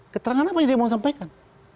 keterangan apa yang dia mau sampaikan